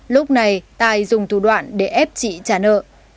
lúc này tài dùng thủ đoạn để ép chị trả nợ